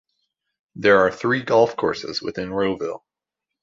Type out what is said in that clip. There are three golf courses within Rowville.